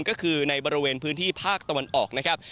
ก็คือในบริเวณพื้นที่ภาคตะวันออกนะครับ